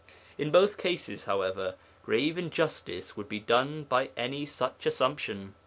In both cases, however, grave injustice would be done by any such assumption.